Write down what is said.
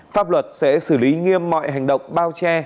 pháp luật sẽ xử lý nghiêm mọi hành động bao che